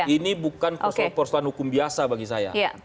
ini bukan persoalan hukum biasa bagi saya